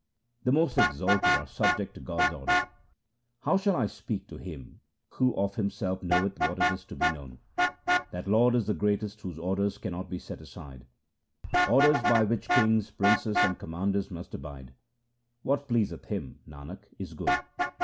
The most exalted are subject to God's order :— How shall I speak to Him who of Himself knoweth what is to be known ? That Lord is the greatest whose orders cannot be set aside — Orders by which kings, princes, and commanders must abide — What pleaseth Him, Nanak, is good.